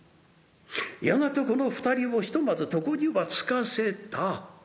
やがてこの２人をひとまず床にば就かせた。